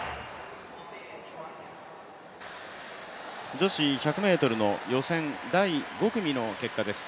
女子１００ｍの予選第５組の結果です。